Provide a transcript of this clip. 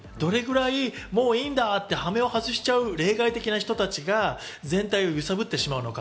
もういいんだってハメを外しちゃう例外的な人たちが全体を揺さぶってしまうのか。